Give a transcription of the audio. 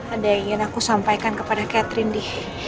ada yang ingin aku sampaikan kepada catherine di